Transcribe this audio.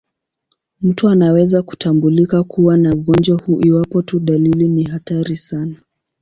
Mtu anaweza kutambulika kuwa na ugonjwa huu iwapo tu dalili ni hatari sana.